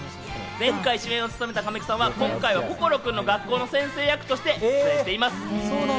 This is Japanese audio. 前作の主演を務めた神木さんは今回は心くんの学校の先生役として出演しています。